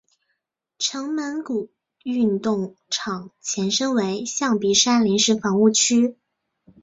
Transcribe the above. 城门谷运动场前身为象鼻山临时房屋区。